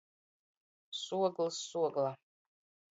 Suogls, suogla.